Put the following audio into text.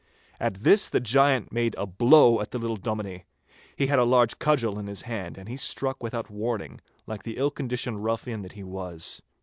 At this the giant made a blow at the little Dominie. He had a large cudgel in his hand, and he struck without warning, like the ill conditioned ruffian that he was.